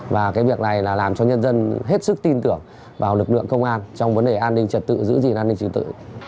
và việc này làm cho nhân dân hết sức tin tưởng vào lực lượng công an trong vấn đề an ninh trật tự giữ gìn an ninh trật tự